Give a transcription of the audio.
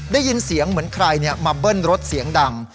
ได้ยินเสียงเหมือนใครมาเบิ้ลรถเสียงดัง